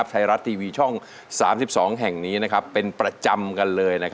ไทยรัฐทีวีช่อง๓๒แห่งนี้เป็นประจำกันเลย